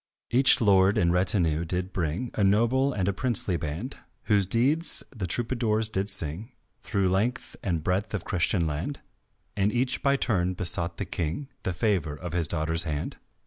Each lord in retinue did bring A noble and a princely band, Whose deeds the troubadours did sing Through length and breadth of Christian land, And each by turn besought the King The favour of his daughter's hand.